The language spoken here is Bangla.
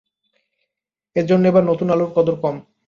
এ জন্য এবার নতুন আলুর কদর কম।